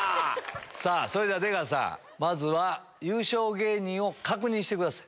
さぁそれでは出川さんまずは優勝芸人を確認してくだい。